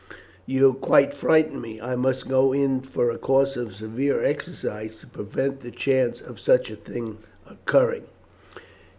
You quite frighten me. I must go in for a course of severe exercise to prevent the chance of such a thing occurring."